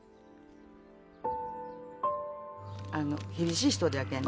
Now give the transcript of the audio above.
あの厳しい人じゃけん